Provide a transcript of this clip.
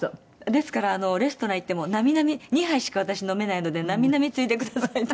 ですからレストラン行ってもなみなみ２杯しか私飲めないのでなみなみついでくださいって。